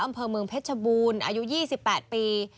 อำเภอเมืองเพชรบูรณ์อายุ๒๘ปี